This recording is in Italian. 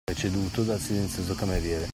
Preceduto dal silenzioso cameriere